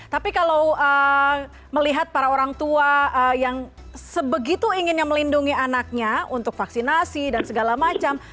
tapi kalau melihat para orang tua yang sebegitu inginnya melindungi anaknya untuk vaksinasi dan segala macam